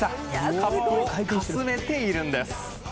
カップをかすめているんです。